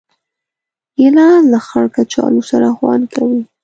ګیلاس له خړ کچالو سره خوند کوي.